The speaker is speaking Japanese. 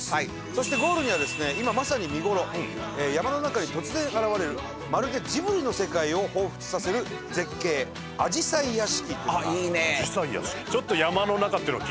そしてゴールにはですね今まさに見頃山の中に突然現れるまるでジブリの世界を彷彿とさせる絶景あじさい屋敷というのが。